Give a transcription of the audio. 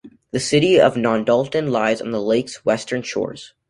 The city of Nondalton lies on the lake's western shores.